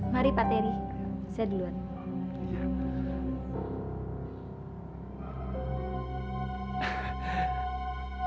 mari pak teri kita mau tidur di sini aja ya